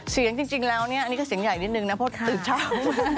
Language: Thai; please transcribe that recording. เสียงจริงแล้วนี่ก็เสียงใหญ่นิดนึงนะเพราะตื่นชอบ